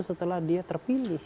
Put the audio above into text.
setelah dia terpilih